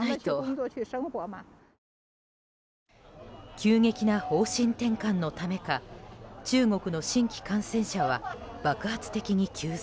急激な方針転換のためか中国の新規感染者は爆発的に急増。